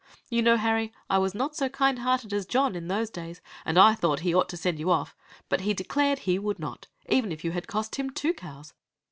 You know, Harry, I was not so kind hearted as John in those days and I thought he ought to send you off. But he declared he would not, even if you had cost him two cows.